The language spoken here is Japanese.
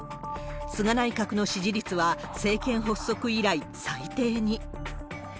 菅内閣の支持率は、政権発足以来最低に。